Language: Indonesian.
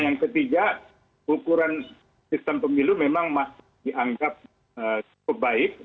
yang ketiga ukuran sistem pemilu memang masih dianggap cukup baik